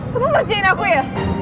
kamu percayain aku ya